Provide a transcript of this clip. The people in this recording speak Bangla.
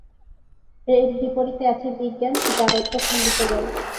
এর বিপরীতে আছে বিজ্ঞান, যার অর্থ ‘খণ্ডিত জ্ঞান’।